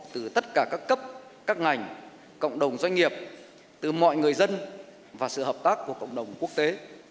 từ tất cả các cấp các ngành cộng đồng doanh nghiệp từ mọi người dân và sự hợp tác của cộng đồng quốc tế